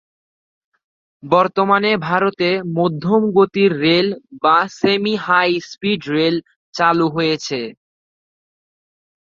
বর্তমানে ভারতে মধ্যম গতির রেল বা "সেমি হাই-স্পিড রেল" চালু হয়েছে।